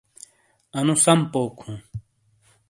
اَنُو سَم پوک (لفظ) ہُوں۔